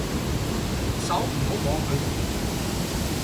手唔好摸佢哋